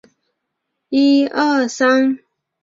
严格专制的校风与机械式的学习方式令他难以忍受。